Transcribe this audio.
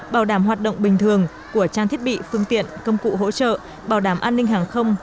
bảo đảm hoạt động bình thường của trang thiết bị phương tiện công cụ hỗ trợ bảo đảm an ninh hàng không